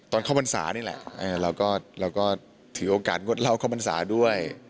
เข้าพรรษานี่แหละเราก็ถือโอกาสงดเหล้าเข้าพรรษาด้วย